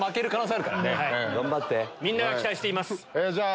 みんなが期待しています。